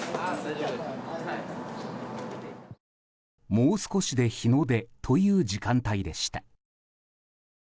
もう少しで日の出という時間帯でした。